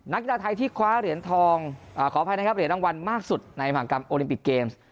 กีฬาไทยที่คว้าเหรียญทองขออภัยนะครับเหรียญรางวัลมากสุดในมหากรรมโอลิมปิกเกมส์